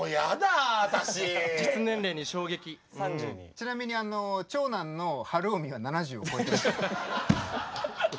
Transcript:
ちなみに長男の晴臣は７０を超えてる。